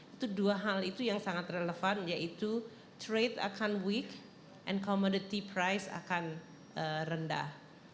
itu dua hal itu yang sangat relevan yaitu trade akan week and commodity price akan rendah